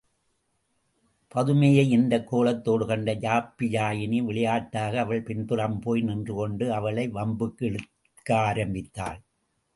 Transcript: பதுமையை இந்தக் கோலத்தோடு கண்ட யாப்பியாயினி விளையாட்டாக அவள் பின்புறம் போய் நின்றுகொண்டு, அவளை வம்புக்கு இழுக்க ஆரம்பித்தாள்!